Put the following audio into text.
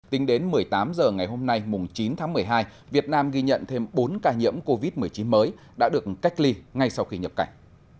tính đến một mươi tám h ngày hôm nay chín tháng một mươi hai việt nam ghi nhận thêm bốn ca nhiễm covid một mươi chín mới đã được cách ly ngay sau khi nhập cảnh